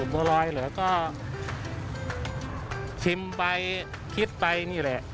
บัวรอยเหรอก็ชิมไปคิดไปนี่แหละ